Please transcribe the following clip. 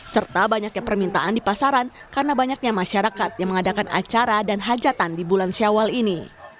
serta banyaknya permintaan di pasaran karena banyaknya masyarakat yang mengadakan acara dan hajatan di bulan syawal ini